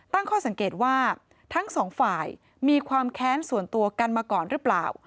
ตั้งข้อสังเกตว่าทั้งสองฝ่ายมีความแค้นส่วนตัวกันมาก่อนหรือเปล่า